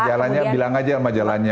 majalahnya bilang aja majalahnya